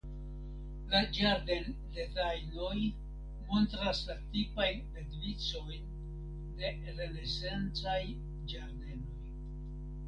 La ĝardendezajnoj montras la tipajn bedvicojn de renesancaj ĝardenoj.